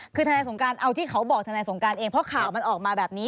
คือทนายสงการเอาที่เขาบอกทนายสงการเองเพราะข่าวมันออกมาแบบนี้